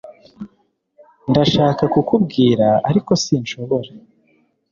Ndashaka kukubwira ariko sinshobora